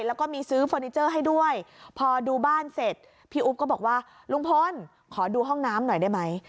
แล้วก็มีซื้อเฟอร์นิเจอร์ให้ด้วยพอดูบ้านเสร็จพี่อุ๊บก็บอกว่าลุงพลขอดูห้องน้ำหน่อยได้ไหม